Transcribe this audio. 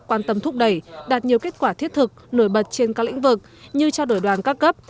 quan tâm thúc đẩy đạt nhiều kết quả thiết thực nổi bật trên các lĩnh vực như trao đổi đoàn các cấp